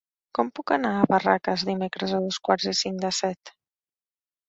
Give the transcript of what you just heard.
Com puc anar a Barraques dimecres a dos quarts i cinc de set?